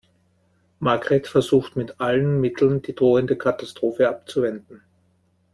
Margret versucht mit allen Mitteln, die drohende Katastrophe abzuwenden.